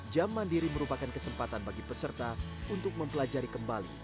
jam mandiri merupakan kesempatan bagi peserta untuk mempelajari kembali